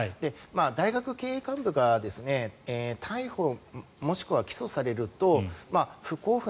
大学経営幹部が逮捕もしくは起訴されると不交付